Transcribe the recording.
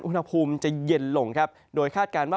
อุณหภูมิจะเย็นลงครับโดยคาดการณ์ว่า